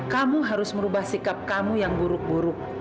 kamu harus merubah sikap kamu yang buruk buruk